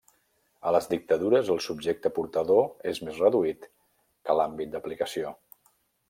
A les dictadures el subjecte portador és més reduït que l'àmbit d'aplicació.